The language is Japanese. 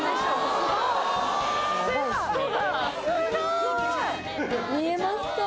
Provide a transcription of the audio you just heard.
すごい見えますか？